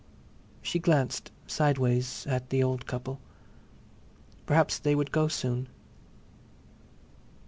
She glanced, sideways, at the old couple. Perhaps they would go soon.